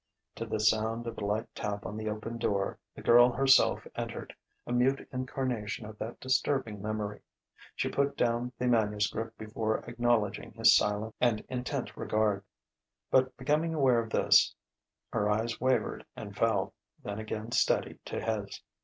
To the sound of a light tap on the open door, the girl herself entered, a mute incarnation of that disturbing memory. She put down the manuscript before acknowledging his silent and intent regard. But becoming aware of this, her eyes wavered and fell, then again steadied to his.